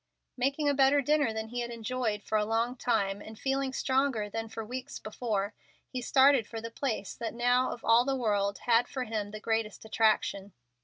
Making a better dinner than he had enjoyed for a long time, and feeling stronger than for weeks before, he started for the place that now, of all the world, had for him the greatest attraction.